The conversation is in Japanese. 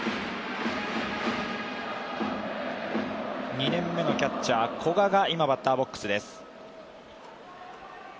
２年目のキャッチャー・古賀が今、バッターボックスです。